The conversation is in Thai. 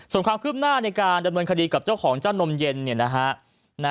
ส่วนความคืบหน้าในการดำเนินคดีกับเจ้าของเจ้านมเย็น